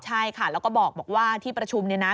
ใช่ค่ะแล้วก็บอกว่าที่ประชุมเนี่ยนะ